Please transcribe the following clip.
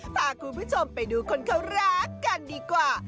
พาคุณผู้ชมไปดูคนเขารักกันดีกว่า